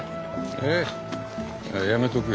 えっやめとくよ。